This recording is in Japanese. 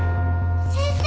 ・先生！